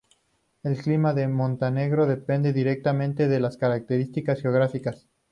El clima de Montenegro depende directamente de las características geográficas.